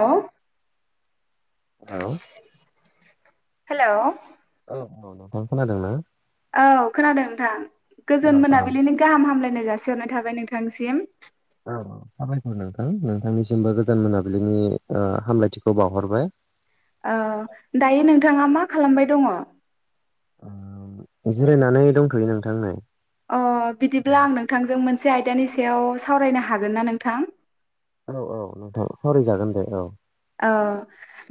औ hello hello औ नोंथां खोनादों ना औ खोनादों नोंथां औ गोजोन औ मोनाबिलिनि गाहाम हामलाय नाय जासिहरनाय थाबाय नोंथांनिसिम औ साबायखर नोंथां नोंथांनिसिमबो गोजोन मोनाबिलिनि हामलायथिखौ बावहरबाय ओ दायो नोंथाङा मा खालामबाय दङ जिरायनानै दंथ'यो नोंथां नै अ बिदिब्ला आं नोंथांजों मोनसे आयदानि सायाव सावरायनो हागोन ना नोंथां औ औ नोंथां सावरायजागोन दे औ औ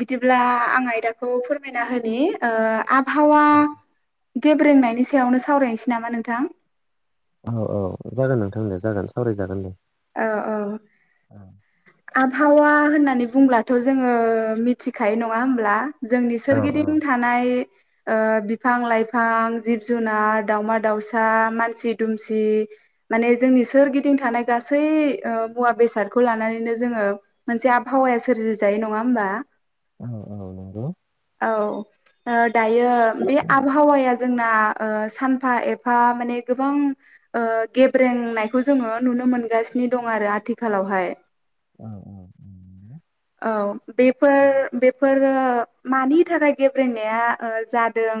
बिदिब्ला आं आयदाखौ फोरमायना होनि ओ आबहावा गेब्रेंनायनि सायावनो सावरायनोसै नामा नोंथां औ औ जागोन नोंथां दे जागोन सावरायजागोन दे अ औ औ आबहावा होननानै बुंब्लाथ' जोङो मिथिखायो नङा होमब्ला जोंनि औ सोरगिदिं औ थानाय ओ बिफां लाइफां जिब जुनार दाउमा दाउसा मानसि दुमसि माने जोंनि सोरगिदिं थानाय गास गासै ओ मुवा बेसादखौ लानानैनो जोङो मोनसे आबहावाया सोरजि जायो नङा होमबा औ औ नंगौ औ ओ दायो बे आबहावाया जोंना ओ सानफा एफा माने गोबां ओ गेब्रेंनायखौ जोङो नुनो मोन गासिनो दं आरो आथिखालावहाय अ अ औ बेफोर बेफोर ओ मानि थाखाय गेब्रेनाया जादों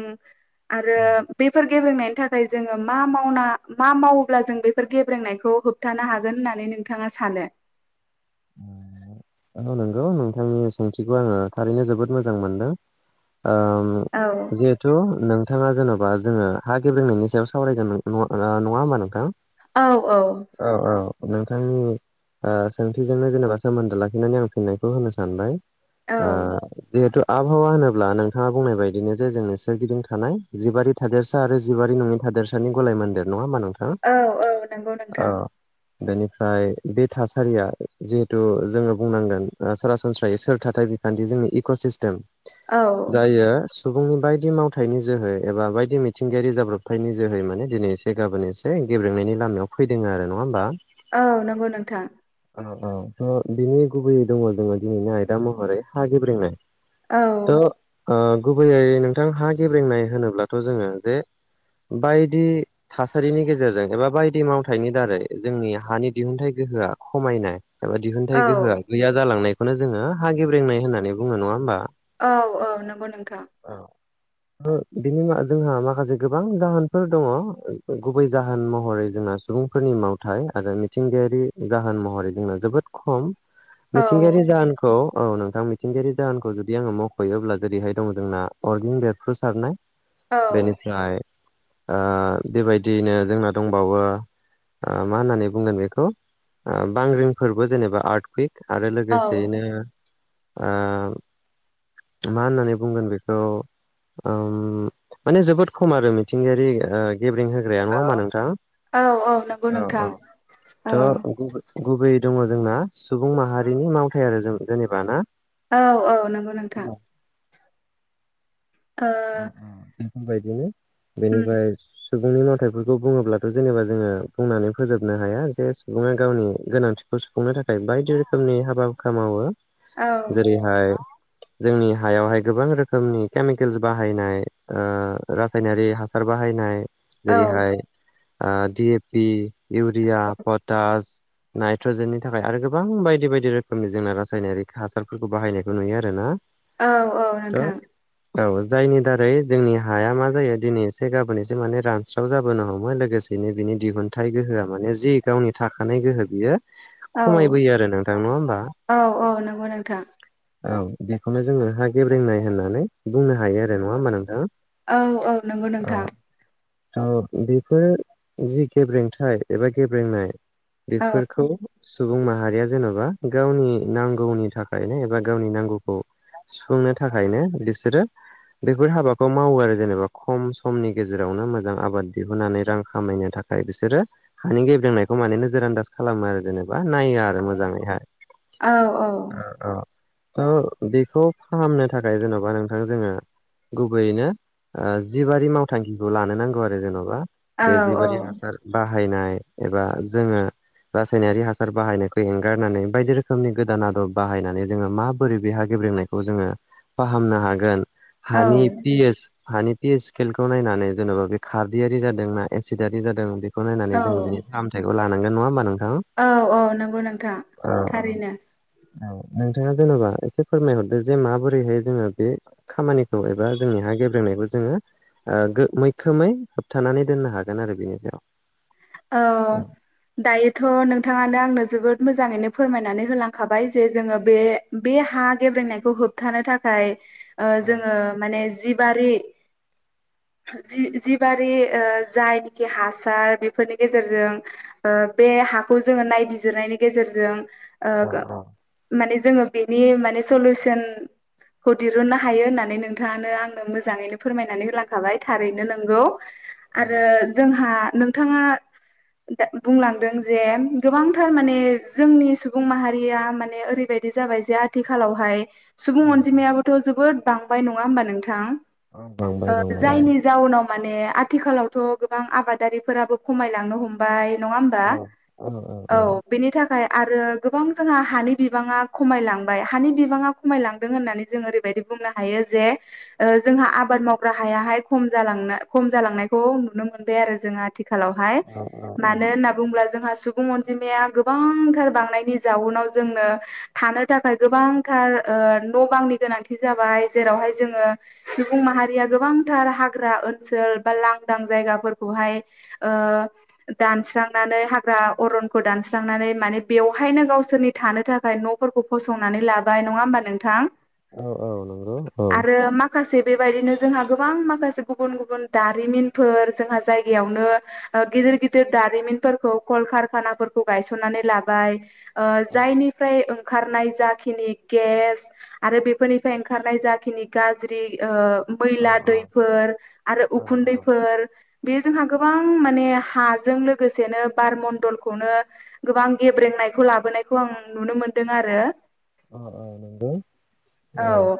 आरो औ बेफोर गेब्रेंनायनि थाखाय जोङो मा मावना मा मावोब्ला जों बेफोर गेब्रेंनायखौ होबथानो हागोन होननानै नोंथाङा सानो औ नंगौ नोंथांनि सोंथिखौ आङो थारैनो जोबोद मोजां मोनदों ओम औ जिहेथु नों नोंथाङा जेन'बा जोङो हा गेबेंनायनि सायाव सावरायगोन नङा होमबा नोंथां औ औ औ औ नोंथांनि सोंथिजोंनो जेनेबा सोमोन्दो लाखिनानै आं फिननायखौ होनो सानबाय औ आ जिहेतु आबहावा होनोब्ला नोंथाङा बुंनाय बायदिनो जे जोंनो सोरगिदिं थानाय जिबारि थादेरसा आरो जिबारि नङैनि था हादोरसानि गलाय ममन्देर नङा ओमबा नोंथां औ औ नंगौ औ नोंथां बेनिफ्राय बे थासारिया जिहेतु जोङो बुंनांगोन सरासनस्रायै सोर थाथाय बिखान्थि जोंनि इक' सिस्टेम औ जायो सुबुंनि बायदि मावथायाइनि जोहै एबा बायदि मिथिंगायारि जाब्रबथायनि जोहै माने दिनै एसे गाबोन एसै गेब्रेंनायनि लामायाव फैदों आरो नङा होमबा? औ नंगौ नोंथां औ औ त' बिनि गुबैयै दङ जोङो दिनैनि आयदा महरै हा गेब्रेंनाय औ थ' ओ गुबैयै नोंथां हा गेब्रेंनाय होनोब्लाथ' जोङो जे बायदि थासारिनि गेजेरजों एबा बायदि मावथायनि दारै जोंनि हानि दिहुनथाइ गो [unintelligible] खमायनाय एबा औ दिहुनथाइ गोहोआ गैया जालांनायखौनो जोङो हा गेब्रेंनाय होननानै बुङो नङा होमबा? औ औ नंगौ नोंथां। उम बिनि [unintelligible] जोंहा माखासे गोबां जाहोनफोर दङ गुबै जाहोन महरै जोंहा सुबुंफोरनि मावथाय आरो मिथिंगायारि जाहोन महरै जोंनाव जोबोद खम औ मिथिंगायारि जाहोनखौ औ नोंथां मिथिंगायारि जाहोनखौ जुदि आङो मख'योब्ला जेरैहाय दङ जोंना अरगें बेरफ्रुसारनाय औ बेनिफ्राय आ बेबायदियैनो जोंना दंबावो मा होननानै बुंगोन बेखौ ओ बांग्रिं फोरबो जेनेबा आर्ट कुइक आरो औ लोगोसेयैनो आ मा होननानै बुंगोन बेखौ ओम माने जोबोद खम आरो मिथिंगायारि ओ गेब्रेंहोग्राया नङा होनबा नोंथां? औ औ नंगौ नोंथां औ। थ' गुबैयै दङ जोंना सुबुं माहारिनि मावथाय आरो जों जेनेबा ना औ औ नंगौ नोंथां। ओ बायदिनो उम बेनिफ्राय सुबुंनि मावथायफोरखौ बुङोब्लाथ' जेनेबा जोङो बुंनानै फोजोबनो हाया जे सुबुङा गावनि गोनांथि खौ सुफुंनो थाखाय बायदि रोखोमनि हाबा-हुखा मावो । औ जेरैहाय जोंनि हायावहाय गोबां रोखोमनि केमिकेल बाहायनाय, ओ रासायनारि हासार बाहायनाय औ जेरैहाय- आ डिएपि, इउरिया, पटास नाइट्रजेननि थाखाय आरो गोबां बायदि बायदि रोखोमनि जोंना रासायनारि हासारफोरखौ बाहायनायखौ नुयो आरो ना। औ औ नोंथां औ जायनि दारै जोंनि हाया मा जायो दिनै एसे गाबोन एसे माने रानस्राव जाबोनो हमो लोगोसेनो बिनि दिहुनथाइ गोहोआ माने जि गावनि थाखानाय गोहो बियो औ खमायबोयो आरो नोंथां नङा होमबा? औ औ नंगौ नोंथां औ बेखौनो जोङो हा गेब्रेंनाय होननानै बुंनो हायो आरो नङा होमबा नोंथां औ औ नंगौ नोंथां। ओ बेफोर जि गेब्रेंथाय एबा गेब्रेंनाय औ बेफोरखौ सुबुं माहारिया जेन'बा गावनि नांगौनि थाखायनो एबा गावनि नांगौखौ सुफुंनो थाखायनो बिसोरो बेफोर हाबाखौ मावो आरो जेनेबा खम समनि गेजेरावनो मोजां आबाद दिहुननानै रां खामायनो थाखाय। बिसोरो हानि गेब्रेनायखौ माने नोजोर आन्दाज खालामा आरो जेनेबा नाया आरो मोजाङैहाय। औ औ। ओ बेखौ फाहामनो थाखाय जेन'बा नोंथां जोङो गुबैयैनो जिबारि मावथांखिखौ लानो नांगौ आरो जेन'बा। औ जे जिबारि हासार बाहायनाय एबा जोङो रासायनारि हासार बाहायनायखौ एंगारनानै बायदि रोखोमनि गोदान आदब बाहायनानै जोङो माबोरै बे हा गे ब्रेंनायखौ जोङो फाहामनो हागोन औ हानि पि एस हानि पि ए स्केलखौ नायनानै जेन'बा बे खारदैयारि जादों ना एसिदारि जादों बे बेखौ नायनानै औ जों बिनि फामथायखौ लानांगोन नङा होमबा नों औ औ नंगौ नोंथां थारैनो। औ नोंथाङा जेन'बा एसे फोरमायहरदो जे माबोरैहाय जोङो बे खामानिखौ औ एबा जोंनि हा गेब्रेंनायखौ जोङो ओ मैखोमै होबथानानै दोननो हागोन आरो बिनि सायाव औ। दायोथ' नोंथाङानो आंनो जोबोद मोजाङैनो फोरमायनानै होलांखाबाय जे जोङो बे बे हा गेब्रेनायखौ होबथानो थाखाय ओ जोङो माने जिबारि जि जिबारि ओ जायनिखि हासार बे फोरनि गेजेरजों ओ बे हाखौ जोङो नायबिजिरनायनि गेजेरजों ओ माने जोङो बेनि माने स'लुस'न खौ दिहुननो हायो होननानै नोंथाङानो आंनो मोजाङैनो फोरमायनानै होलांखाबाय थारैनो नोंगौ। आरो जोंहा नोंथाङा दा बुंलांदों जे गोबांथार माने जोंनि सुबुं माहारिया माने ओरैबाय दि जाबाय जे आथिखालावहाय सुबुं अनजिमायाबोथ' जोबोद बांबाय नङा होमबा नोंथां। ओ बांबाय बांबाय औ जायनि जाउनाव माने आथिखालावथ' गोबां आबादारिफोराबो खमायलांनो हमबाय नङा होमबा औ बेनि थाख खाय आरो गोबां जोंहा हानि बिबाङा खमायलांबाय हानि बिबाङा खमायलांदों होननानै जों ओरैबायदि बुंनो हायो जे ओ जोंहा आबाद मावग्रा हायाहाय खम खम जालांनायखौ नुनो मोनबाय आरो जों आथिखालाव हायो मानो होनना बुङोब्ला जोंहा सुबुं अनजिमाया गोबांथार बांनायनि जाउनाव जोंनो थानो थाखाय गोबांथार ओ न' बांनि गोनांथि जाबाय जेरावहाय जोङो सुबुं माहारिया गोबांथार हाग्रा ओनसोल बा लांदां जायगाफोरखौहाय ओ दानस्रांनानै हाग्रा अरनखौ दानस्रांनानै माने बेवहायनो गाव सोरनि थानो थाखाय न'फोरखौ फसंनानै लाबाय नङा होमबा नोंथां । औ औ नंगौ औ। माखासे बेबायदिनो जोंहा गोबां माखासे गुबुन गुबुन दारिमिनफोर जोंहा जाय बेयावनो ओ गिदिर गिदिर दारिमिनफोरखौ कलकारखानाफोरखौ गायसननानै लाबाय ओ जायनिफ्राय ओंखारनाय जाखिनि गेस आरो बेफोरनिफ्राय ओंखारनाय जाखिनि गाज्रि ओ बैला दैफोर आरो उखुन्दैफोर बेयो जोंहा गोबां माने हाजों लोगोसेनो बार मणडलखौनो गोबां गेब्रें नायखौ लाबोनायनायखौ आं नुनो मोनदों आरो अह अह नंगौ औ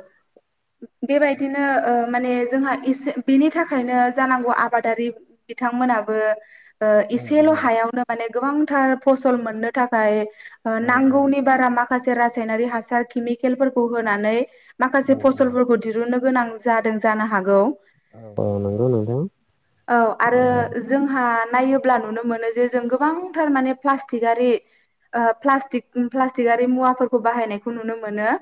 बेबायदिनो ओ माने जोंहा एसे बेनि थाखायनो जानांगौ आबादारि बिथांमोना बो ओ एसेल' हायावनो माने गोबांथार फसल मोननो थाखाय ओ नांगौनि बारा माखासे रासायनारि हासार केमिकेलफोरखौ होनानै माखासे फसलफोरखौ दिरुननो गोनां जादों जानो हागौ औ नंगौ नोंथां औ आरो जोंहा नायोब्ला नुनो मोनो जे जों गोबांथार माने प्लासटिक आरि ओ प्लास्टिक प्लास्टिकारि मुवाफोरखौ बाहायनायखौ नुनो मोनो।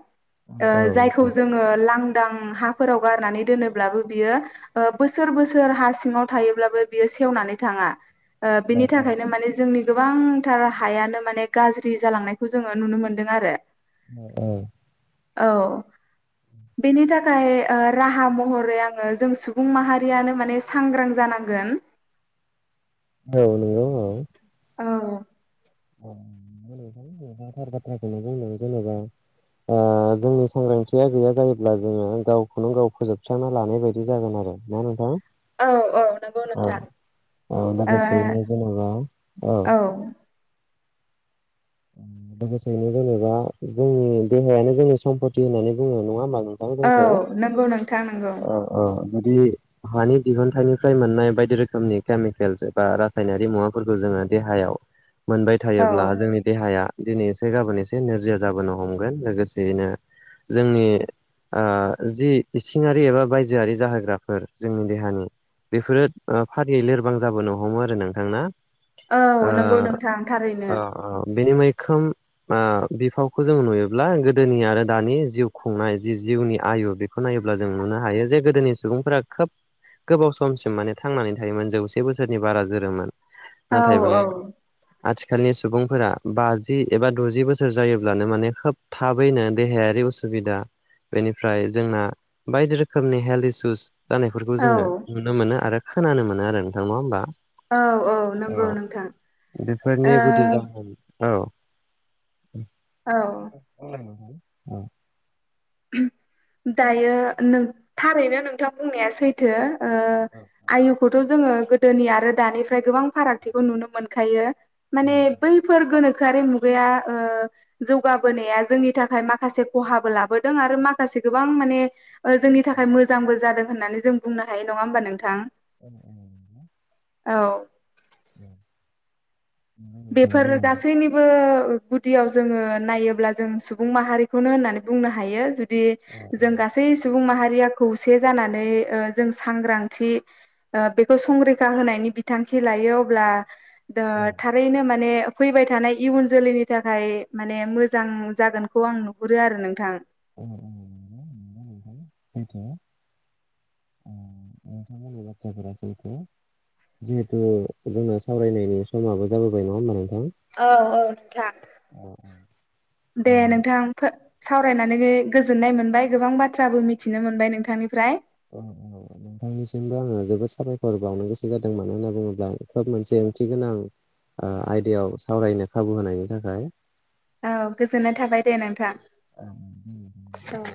ओ औ जायखौ नोंथां जोङो लां दां हाफोराव गारनानै दोनोब्लाबो बियो ओ बोसोर बोसोर हा सिङाव थायोब्लाबो बियो सेवनानै थाङा ओ बिनि थाखायनो माने जोंनि गोबांथार हायानो माने गाज्रि जालांनायखौ जोङो नुनो मोनदों आरो औ औ औ बेनि थाखाय ओ राहा महरै आङो जों सुबुं माहारियानो माने सांग्रां जानां गोन औ नंगौ औ औ नंगौ नोंथां नोंथांआ थार बाथ्राखौनो बुंदों जेनेबा। ओ जोंनि सांग्रांथिया गैया जायोब्ला जोङो गावखौनो-गाव फोजोबस्रांना लानाय बायदि जागोन आरो ना नोंथां? औ-औ नंगौ नोंथां। ओ माखासेनि जेनेबा ओ। औ लोगोसेयैनो जेनेबा जोंनि देहायानो जोंनि समपति होननानै बुङो नङा होमबा औ नों नंगौ नोंथां नंगौ ओ-ओ बिदि हानि दिहुनथाइनिफ्राय मोननाय बायदि रोखोमनि केमिकेल्स एबा रासायनारि मुवाफोरखौ जों देहायाव मोनबाय औ थायोब्ला जोंनि हाया दिनै इसे गाबोन एसे नोरजिया जाबोनो हमगोन लोगोसेयैनो जोंनि ओ जि इसिंङारि एबा बायजोआरि जाहोग्राफोर जोंनि देहानि बेफोरो ओ फारियै लोरबां जाबोनो हमो आरो नोंथां ना? औ नंगौ नोंथां थारैनो। बेनि मैखोम ओ बिफावखौ जों नुयोब्ला गोदोनि आरो दानि जिउ खुंनाय जि जिउनि आयु बेखौ नायोब्ला जों नुनो हायो जे गोदोनि सुबुंफोरा खोब गोबाव समसिम माने थांनानै थायोमोन जौसे बोसोरनि बारा जोरोमोन। नाथायबा औ-औ। आथिखालनि सुबुंफोरा बाजि एबा द'जि बोसोर जायोब्लानो माने खोब थाबैनो देहायारि उसुबिदा बेनिफ्राय जोंना बायदि रोखोमनि हेल्थ इसुस जानायफोरखौ जोङो औ नुनो मोनो आरो खोनानो मोनो आरो नोंथां नङा होमबा? औ नंगौ औ नोंथां ओ बेफोरनि गुदि जाहोन औ। औ [inaudible] दायो नों थारैनो नोंथां बुंनाया सैथो। ओ आयुखौथ' जोङो गोदोनि आरो दानिफ्राय गोबां फारागथिखौ नुनो मोनखायो। माने बैफोर गोनो खोयारि मुगाया ओ जौगाबोनाया जोंनि थाखाय माखासे खहाबो लाबो दों आरो माखासे गोबां माने ओ जोंनि थाखाय मोजांबो जादों होननानै जों बुंनो हायो नङा होमबा नोंथां? औ-औ नोंथां। औ। बेफोर गासैनिबो गुदियाव जोंङो नायोब्ला जों सुबुं माहारिखौनो होन्नानै बुंनो हायो जु दि जों गासै सुबुं माहारि या खौसे जानानै ओ जों सांग्रांथि ओ बेखौ संरैखा होनायनि बिथां खि लायो अब्ला औ। बैनो माने फैबाय थानाय इयुन जोलैनि थाखाय माने मोजां जागोनखौ आं नुहुरो आरो नोंथां। सैथो' नोंथां बुंनाय बाथ्राफोरा सैथो जिहेथु जोंना सावरायनायनि समाबो जाबोबाय नङा होमबा नों औ औ नोंथां दे नोंथां सावरायनानै गो-गोजोननाय मोनबाय गोबां बाथ्राबो मिथिनो मोनबाय नोंथांनिफ्राय। औ औ नोंथांनिसिमबो आंङो जोबोद साबायखर बावनो गोसो जादों मानो होनना बुङोब्ला खोब मोनसे ओंथि गोनां आ आयदायाव सावरायनो खाबु होनायनि थाखाय। औ गोजोननाय थाबाय दे नोंथां औ।